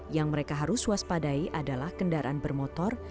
yang mereka harus waspadai adalah kendaraan bermotor